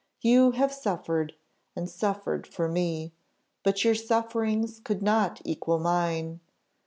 You have suffered, and suffered for me! but your sufferings could not equal mine.